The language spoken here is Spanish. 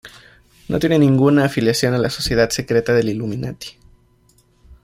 No tiene ninguna afiliación a la sociedad secreta del Illuminati.